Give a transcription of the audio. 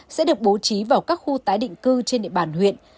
sẽ được bố trí vào các khu tái định cư trên địa bàn huyện